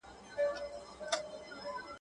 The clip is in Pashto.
همدوندي ستا خواته نږدې کېږي